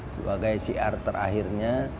sebagai syiar terakhirnya